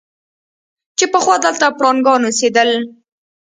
چې پخوا دلته پړانګان اوسېدل.